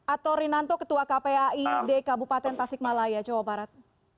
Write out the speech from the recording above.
ato rinanto ketua kpai dekabupaten tasikmalaya jawa barat